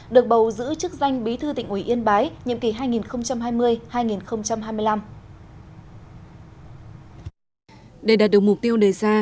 được bầu giữ chức danh bí thư tỉnh ủy yên bái nhiệm kỳ hai nghìn hai mươi hai nghìn hai mươi năm